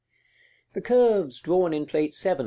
The curves drawn in Plate VII.